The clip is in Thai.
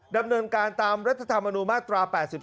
ดำเนินการตามรัฐธรรมนูญมาตรา๘๒